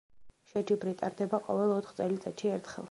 შეჯიბრი ტარდება ყოველ ოთხ წელიწადში ერთხელ.